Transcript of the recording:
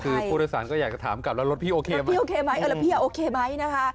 คือผู้โดยสารก็อยากจะถามกลับแล้วรถพี่โอเคไหมพี่โอเคไหมเออแล้วพี่โอเคไหมนะคะ